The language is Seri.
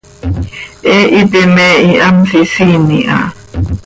He hipi me hihamsisiin iha.